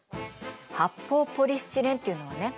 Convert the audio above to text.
発泡ポリスチレンっていうのはね